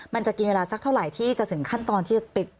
มันจะกินเวลาสักเท่าไหร่ที่จะถึงขั้นตอนที่จะปิด